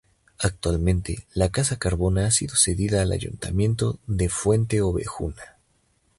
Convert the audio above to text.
Actualmente, la Casa Cardona ha sido cedida al Ayuntamiento de Fuente Obejuna.